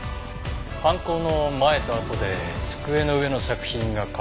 犯行の前とあとで机の上の作品が変わっていた。